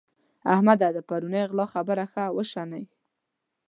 احمده! د پرونۍ غلا خبره ښه وشنئ.